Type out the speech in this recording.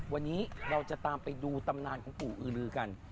วันนี้เราจะตามไปดูตำนานของปู่อือลือกัน